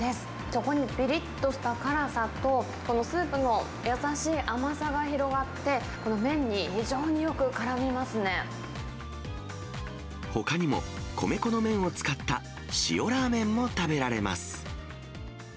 そこにぴりっとした辛さと、このスープの優しい甘さが広がって、この麺に非常によくからみまほかにも、米粉の麺を使った塩ラーメンも食べられます。